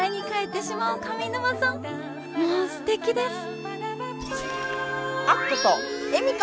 もうすてきです！